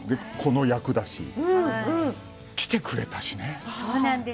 この役だし来てくれたしね。